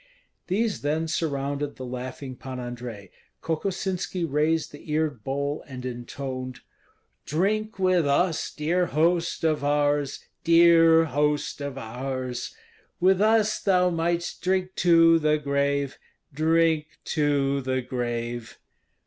These then surrounded the laughing Pan Andrei. Kokosinski raised the eared bowl and intoned: "Drink with us, dear host of ours, Dear host of ours! With us thou mightst drink to the grave, Drink to the grave!"